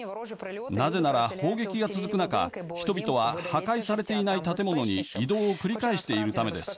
なぜなら砲撃が続く中、人々は破壊されていない建物に移動を繰り返しているためです。